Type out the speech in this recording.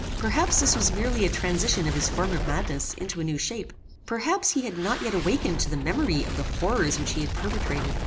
Perhaps this was merely a transition of his former madness into a new shape. Perhaps he had not yet awakened to the memory of the horrors which he had perpetrated.